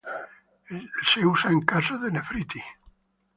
Es usado en casos de nefritis.